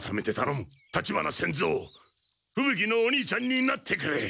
立花仙蔵ふぶ鬼のお兄ちゃんになってくれ！